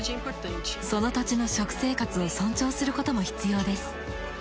その土地の食生活を尊重することも必要です。